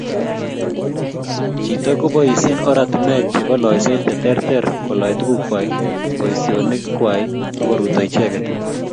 Chitok koboisye oratinweek chebo loiseet cheterter kolaa tuguuk kwai, boisionik kwai ak koruto icheget.